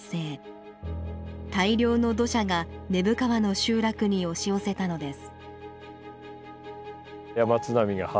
大量の土砂が根府川の集落に押し寄せたのです。